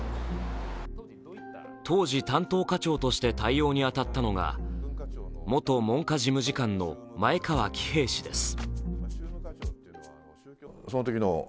当時、担当課長として対応に当たったのが元文科事務次官の前川喜平氏です。